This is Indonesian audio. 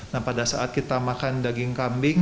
nah pada saat kita makan daging kambing